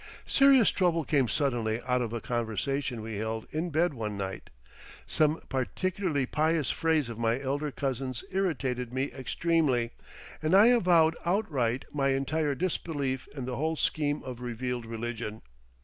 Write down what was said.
Serious trouble came suddenly out of a conversation we held in bed one night. Some particularly pious phrase of my elder cousin's irritated me extremely, and I avowed outright my entire disbelief in the whole scheme of revealed religion.